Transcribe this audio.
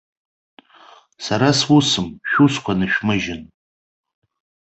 Сара сусым, шәусқәа нышәмыжьын.